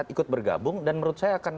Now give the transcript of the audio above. ikut bergabung dan menurut saya akan